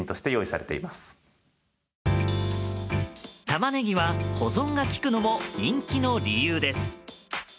タマネギは保存が利くのも人気の理由です。